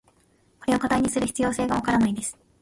これを課題にする必要性が分からないです。